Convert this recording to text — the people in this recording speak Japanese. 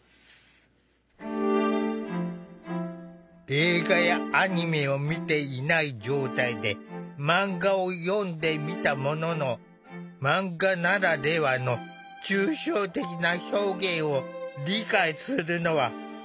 映画やアニメを見ていない状態でマンガを読んでみたもののマンガならではの抽象的な表現を理解するのは難しかった。